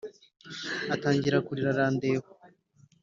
atangira kurira 'arandeba